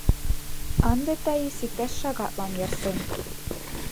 Ынде Таис иктаж шагатлан ярсен.